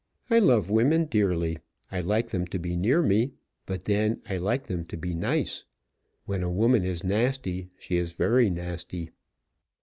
I love women dearly; I like them to be near me; but then I like them to be nice. When a woman is nasty, she is very nasty."